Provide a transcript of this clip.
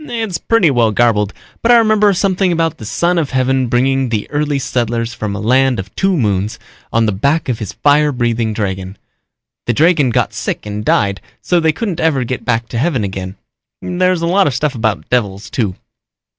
"It's pretty well garbled but I remember something about the Son of Heaven bringing the early settlers from a land of two moons on the back of his fire breathing dragon. The dragon got sick and died so they couldn't ever get back to heaven again. There's a lot of stuff about devils, too."